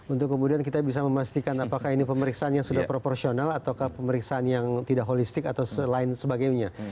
untuk kemudian kita bisa memastikan apakah ini pemeriksaan yang sudah proporsional atau pemeriksaan yang tidak holistik atau lain sebagainya